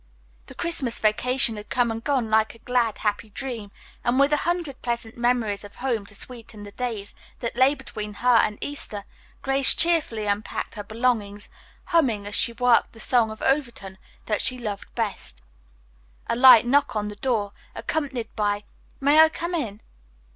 The Christmas vacation had come and gone like a glad, happy dream, and with a hundred pleasant memories of home to sweeten the days that lay between her and Easter, Grace cheerfully unpacked her belongings, humming as she worked the song of Overton that she loved best. A light knock on the door, accompanied by, "May I come in?"